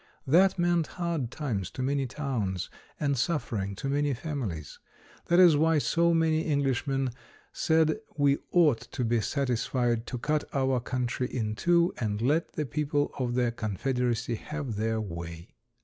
That meant hard times to many towns and suffering to many families. That is why so many Englishmen said we ought to be satisfied to cut our country in two and let the people of the Confederacy have their way.